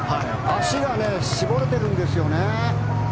足が絞れてるんですよね。